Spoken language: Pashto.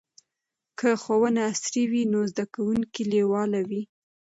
که ښوونه عصري وي نو زده کوونکي لیواله وي.